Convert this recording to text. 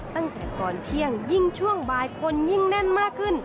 ตั้งแต่ก่อนเที่ยงยิ่งช่วงบ่ายคนยิ่งแน่นมากขึ้น